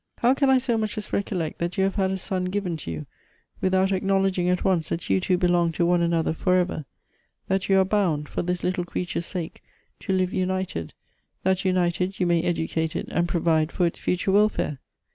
How can I so much as rec ollect that you have had a son given to you, without acknowledging at once that you two belong to one an other forever, that you are bound, for this little creature's sake, to live united, that united you may educate it, and provide for its future welfare